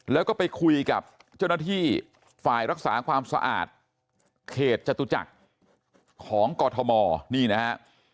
แล้วก็ไปคุยกับเจ้าหน้าที่ฝ่ายรักษาความสะอาดเขตจตุจักรของกอทมนี่นะฮะ